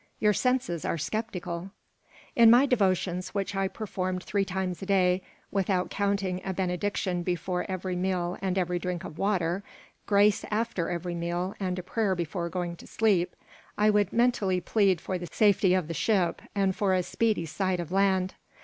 Your senses are skeptical In my devotions, which I performed three times a day, without counting a benediction before every meal and every drink of water, grace after every meal and a prayer before going to sleep, I would mentally plead for the safety of the ship and for a speedy sight of land.